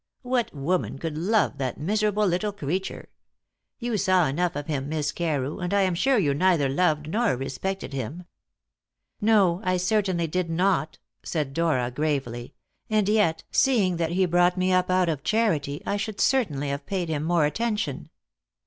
What woman could love that miserable little creature? You saw enough of him, Miss Carew, and I am sure you neither loved nor respected him." "No, I certainly did not," said Dora gravely; "and yet, seeing that he brought me up out of charity, I should certainly have paid him more attention."